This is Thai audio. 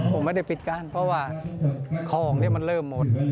ผมไม่ได้ปิดกั้นเพราะว่าของนี้มันเริ่มหมด